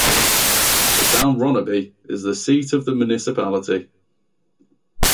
The town Ronneby is the seat of the municipality.